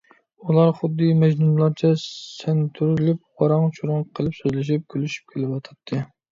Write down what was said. ئۇلار خۇددى مەجنۇنلارچە سەنتۈرۈلۈپ، ۋاراڭ - چۇرۇڭ قىلىپ سۆزلىشىپ - كۈلۈشۈپ كېلىۋاتاتتى.